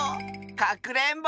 かくれんぼ！